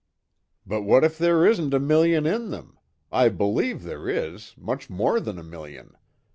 "But what if there isn't a million in them. I believe there is much more than a million.